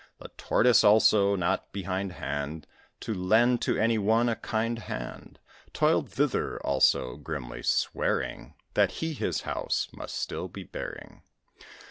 The Tortoise, also, not behind hand To lend to any one a kind hand, Toiled thither, also, grimly swearing That he his house must still be bearing.